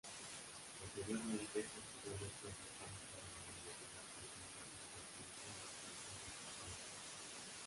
Posteriormente estudió Letras Hispánicas en la Universidad Autónoma Metropolitana, plantel Iztapalapa.